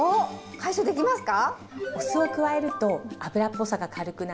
解消できますか？